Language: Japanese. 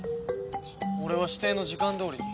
俺は指定の時間どおりに。